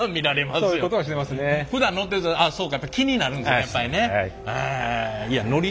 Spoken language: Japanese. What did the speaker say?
ああそうかって気になるんですねやっぱりね。